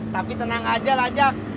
tapi tenang aja lah jack